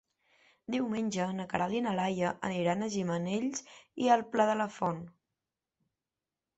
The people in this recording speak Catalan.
Diumenge na Queralt i na Laia aniran a Gimenells i el Pla de la Font.